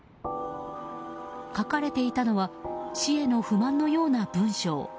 書かれていたのは市への不満のような文章。